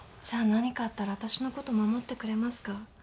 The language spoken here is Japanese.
じゃあ何かあったら私のこと守ってくれますか？